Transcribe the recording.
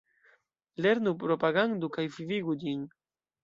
Lernu, propagandu kaj vivigu ĝin!